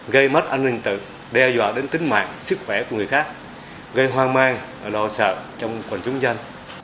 gây mất an ninh tự đe dọa đến tính mạng sức khỏe của người khác gây hoang mang lo sợ trong quần chúng dân